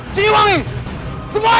saya sampai lihat